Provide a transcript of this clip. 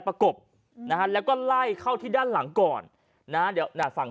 ประกบนะฮะแล้วก็ไล่เข้าที่ด้านหลังก่อนนะเดี๋ยวน่ะฝั่ง